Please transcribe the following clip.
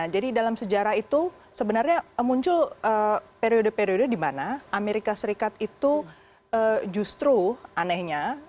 jadi dalam sejarah itu sebenarnya muncul periode periode di mana amerika serikat itu justru anehnya